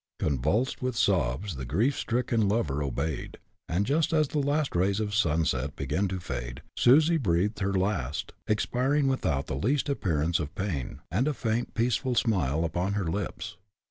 Convulsed with sobs, the grief stricken lover obeyed, and, just as the last rays of sunset began to fade, Susie breathed her last, expiring without the least appearance of pain, and a faint, peaceful smile upon her lips.